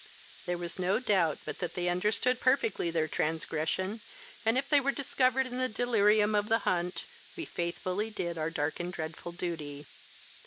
There was no doubt but that they understood perfectly their transgression, and if they were discovered in the delirium of the hunt, we faithfully did our dark and dreadful duty.